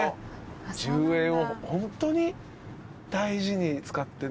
十円をホントに大事に使ってね。